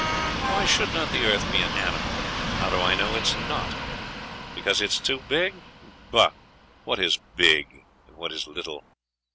Why should not the earth be an animal? How do I know it is not? Because it is too big? Bah! What is big, and what is little?